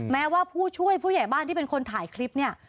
แม้ว่าผู้ช่วยผู้ใหญ่บ้านที่เป็นคนถ่ายคลิปเนี่ย